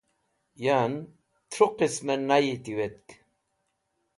Yan, tru qismẽ nayi tiwetk.